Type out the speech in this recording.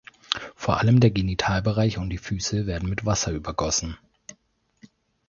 Vor allem der Genitalbereich und die Füße werden mit Wasser übergossen.